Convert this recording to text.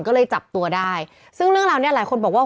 ก็เลยจับตัวได้ซึ่งเรื่องราวเนี้ยหลายคนบอกว่า